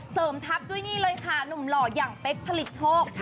ทับด้วยนี่เลยค่ะหนุ่มหล่ออย่างเป๊กผลิตโชค